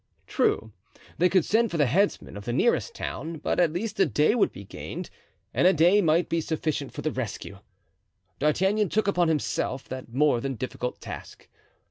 True, they could send for the headsman of the nearest town, but at least a day would be gained, and a day might be sufficient for the rescue. D'Artagnan took upon himself that more than difficult task.